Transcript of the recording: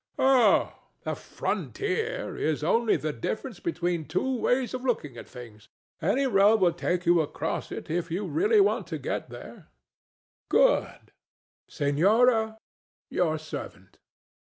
Oh, the frontier is only the difference between two ways of looking at things. Any road will take you across it if you really want to get there. DON JUAN. Good. [saluting Dona Ana] Senora: your servant.